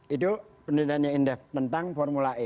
itu pendidikannya indef tentang formula e